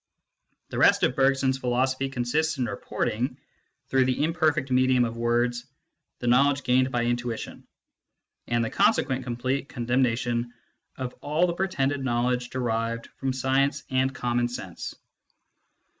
The rest of Bergson s philosophy consists in reporting, through the imperfect medium of words, the knowledge gained by intuition, and the consequent complete con demnation of all the pretended knowledge derived from science and common sense.